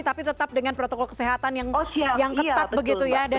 tapi tetap dengan protokol kesehatan yang ketat begitu ya